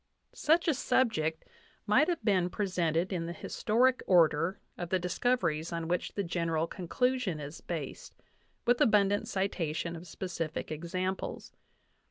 Such a subject might have been presented in the historic order of the discoveries on which the general conclusion is based, with abundant citation of specific exam ples.